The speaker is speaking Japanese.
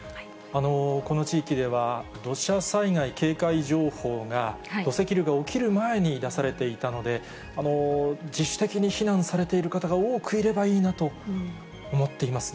この地域では、土砂災害警戒情報が、土石流が起きる前に出されていたので、自主的に避難されている方が多くいればいいなと思っています。